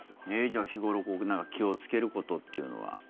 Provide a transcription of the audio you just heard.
じゃあ日頃何か気をつけることというのは。